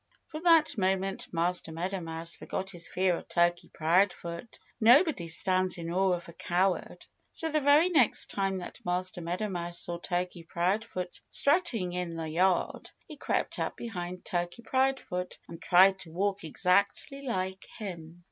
From that moment Master Meadow Mouse forgot his fear of Turkey Proudfoot. Nobody stands in awe of a coward. So the very next time that Master Meadow Mouse saw Turkey Proudfoot strutting in the yard he crept up behind Turkey Proudfoot and tried to walk exactly like him.